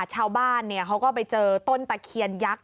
ชาวบ้านเขาก็ไปเจอต้นตะเคียนยักษ์